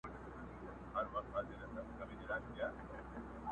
o چي خر نه لرې، خر نه ارزې!